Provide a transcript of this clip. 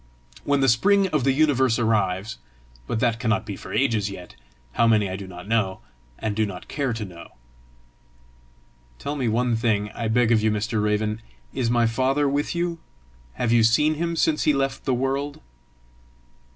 When the spring of the universe arrives, but that cannot be for ages yet! how many, I do not know and do not care to know." "Tell me one thing, I beg of you, Mr. Raven: is my father with you? Have you seen him since he left the world?"